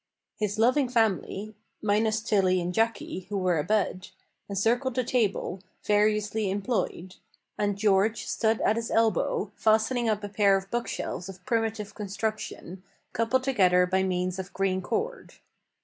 His loving family minus Tilly and Jacky, who were abed encircled the table, variously employed; and George stood at his elbow, fastening up a pair of bookshelves of primitive construction, coupled together by means of green cord.